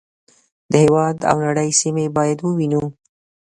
د هېواد او نړۍ سیمې باید ووینو.